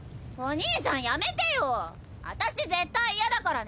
お兄ちゃんやめてよ！あたし絶対嫌だからね！